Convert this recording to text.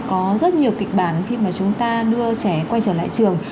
có rất nhiều kịch bản khi mà chúng ta đưa trẻ quay trở lại trường